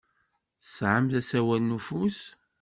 Tesɛamt asawal n ufus?